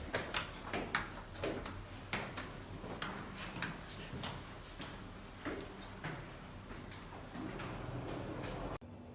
ก็จะมีหนถึง